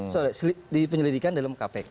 soalnya dipenyelidikan dalam kpk